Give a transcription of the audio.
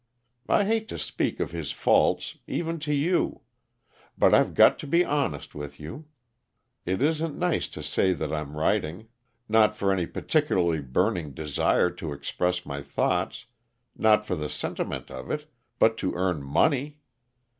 I hate to speak of his faults, even to you. But I've got to be honest with you. It isn't nice to say that I'm writing, not for any particularly burning desire to express my thoughts, nor for the sentiment of it, but to earn money.